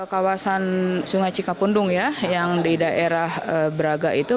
kawasan sungai cikapundung ya yang di daerah braga itu